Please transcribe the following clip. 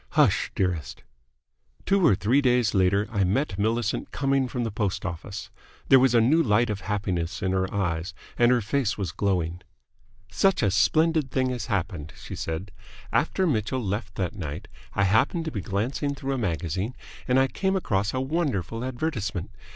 "Hush, dearest!" Two or three days later I met Millicent coming from the post office. There was a new light of happiness in her eyes, and her face was glowing. "Such a splendid thing has happened," she said. "After Mitchell left that night I happened to be glancing through a magazine, and I came across a wonderful advertisement.